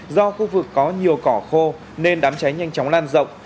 do khu vực có nhiều cỏ khô nên đám cháy nhanh chóng lan rộng